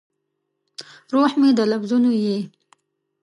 روح مې د لفظونو یې